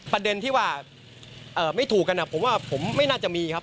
ประเด็นที่ว่าไม่ถูกกันผมว่าผมไม่น่าจะมีครับ